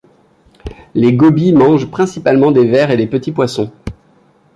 Les gobies mangent principalement des vers et des petits poissons.